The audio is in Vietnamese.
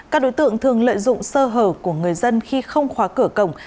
các đối tượng thường lợi dụng sơ hở của người dân khi không khóa cửa cổng